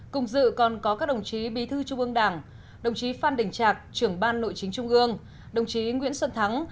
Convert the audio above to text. cùng dự còn có các đồng chí bí thư trung ương đảng đồng chí phan đình trạc trưởng ban nội chính trung ương đồng chí nguyễn xuân thắng